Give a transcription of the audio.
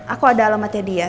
aku ada alamatnya dia